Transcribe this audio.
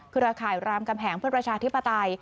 ร่ายรามกำแหงเพื่อประชาธิปไตย